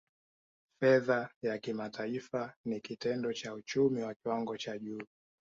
Fedha ya kimataifa ni kitengo cha uchumi wa kiwango cha juu